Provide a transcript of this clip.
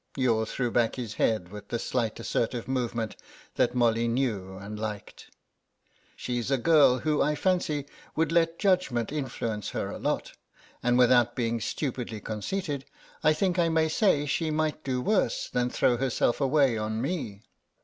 Youghal threw back his head with the slight assertive movement that Molly knew and liked. "She's a girl who I fancy would let judgment influence her a lot. And without being stupidly conceited, I think I may say she might do worse than throw herself away on me.